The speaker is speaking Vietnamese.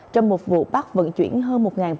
trong một vụ bắt vận chuyển hơn một bảy trăm linh